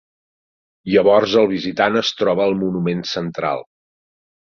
Llavors el visitant es troba el monument central.